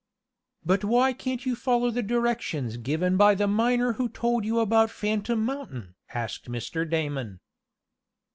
"But why can't you follow the directions given by the miner who told you about Phantom Mountain?" asked Mr. Damon.